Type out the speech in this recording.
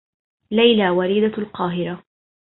ليلى وليدة القاهرة.